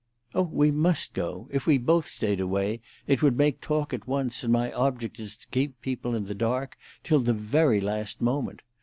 "Oh, we must go. If we both stayed away it would make talk at once, and my object is to keep people in the dark till the very last moment.